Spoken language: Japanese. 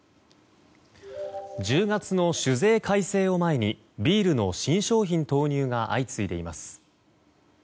１０月の酒税改正を前にビールの新商品投入が相次いでいます。